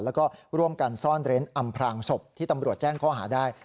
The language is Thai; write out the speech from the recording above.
แล้วก็ร่วมกันซ่อนเร้นอำพลางศพที่ตำรวจแจ้งข้อหาได้